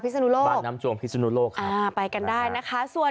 พิษธนุโลกบ้านน้ำจวงพิษธนุโลกครับอ่าไปกันได้นะคะ